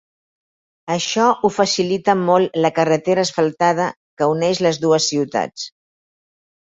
Això ho facilita molt la carretera asfaltada que uneix les dues ciutats.